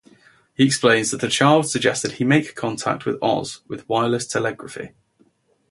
He explains that a child suggested he make contact with Oz with wireless telegraphy.